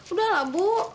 udah lah bu